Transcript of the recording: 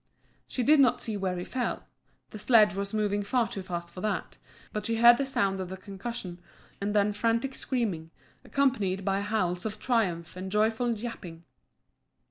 She did not see where he fell the sledge was moving far too fast for that; but she heard the sound of the concussion, and then frantic screaming, accompanied by howls of triumph and joyful yapping.